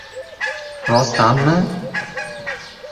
-Rostdanmi?!